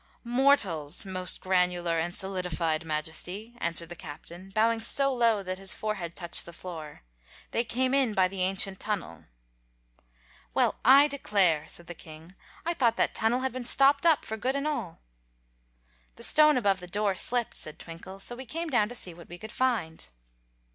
"Mortals, Most Granular and Solidified Majesty," answered the Captain, bowing so low that his forehead touched the floor. "They came in by the ancient tunnel." "Well, I declare," said the king. "I thought that tunnel had been stopped up for good and all." "The stone above the door slipped," said Twinkle, "so we came down to see what we could find."